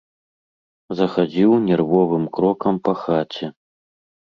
Захадзіў нервовым крокам па хаце.